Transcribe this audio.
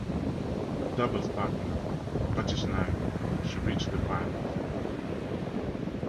With doubles partner Patty Schnyder she reached the finals.